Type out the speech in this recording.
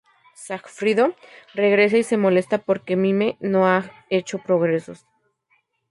Sigfrido regresa y se molesta porque Mime no ha hecho progresos.